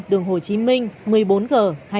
đường hồ chí minh một mươi bốn g hai mươi